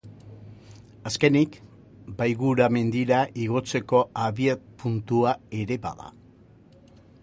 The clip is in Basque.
Azkenik, Baigura mendira igotzeko abiapuntua ere bada.